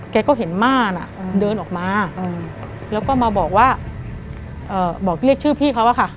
แกก็เห็นม่านเดินออกมาแล้วก็มาบอกว่าบอกเรียกชื่อพี่เขาอะค่ะ